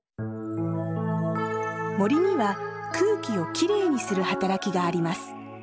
森には空気をきれいにする働きがあります